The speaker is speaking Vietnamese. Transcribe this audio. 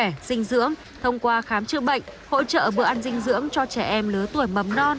tình trạng sức khỏe dinh dưỡng thông qua khám trự bệnh hỗ trợ bữa ăn dinh dưỡng cho trẻ em lứa tuổi mầm non